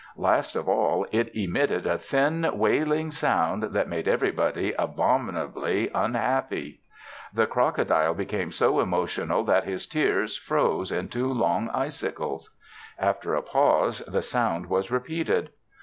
Last of all it emitted a thin, wailing sound that made everybody abominably unhappy. The crocodile became so emotional that his tears froze in two long icicles. After a pause the sound was repeated.